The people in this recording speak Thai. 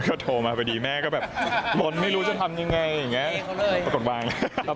ผมก็รู้สึกว่ามันน่าจะเป็นอะไรที่ตลกมากนะครับ